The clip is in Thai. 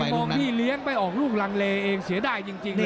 มองพี่เลี้ยงไปออกลูกลังเลเองเสียดายจริง